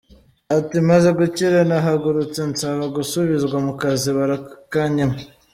Ati “Maze gukira nahagurutse nsaba gusubizwa mu kazi, barakanyima.